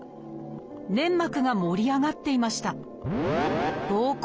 粘膜が盛り上がっていました